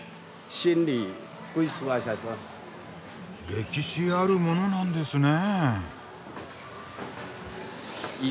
歴史あるものなんですね？